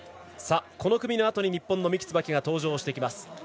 この組のあとに日本の三木つばきが登場します。